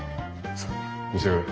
さあ召し上がれ。